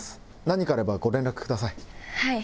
何かあればご連絡ください。